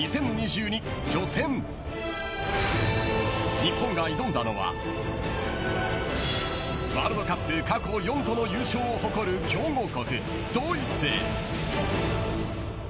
日本が挑んだのはワールドカップ過去４度の優勝を誇る強豪国ドイツ。